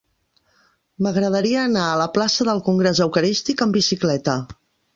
M'agradaria anar a la plaça del Congrés Eucarístic amb bicicleta.